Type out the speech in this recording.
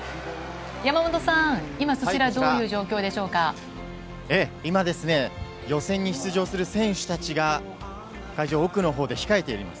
山本さん、そちらはどういう今、予選に出場する選手たちが会場奥の方で控えています。